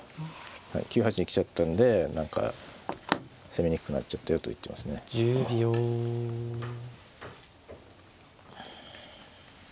９八に来ちゃったんで何か攻めにくくなっちゃったよと言ってますね。